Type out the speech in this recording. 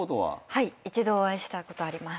はい一度お会いしたことあります。